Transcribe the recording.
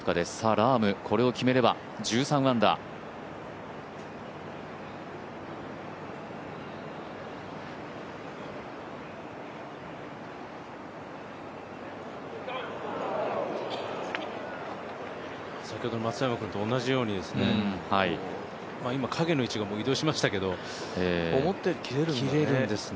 ラーム、これを決めれば１３アンダー先ほどの松山君と同じように今、影の位置が移動しましたけど思ったより切れるんですね。